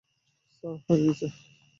Sir, হয়ে গেছে।